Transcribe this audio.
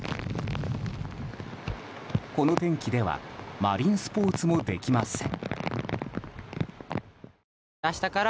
この天気ではマリンスポーツもできません。